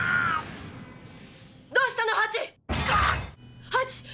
「どうしたのハチ」。